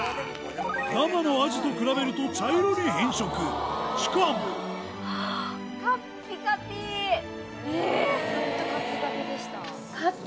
生のアジと比べると茶色に変色しかもえっ！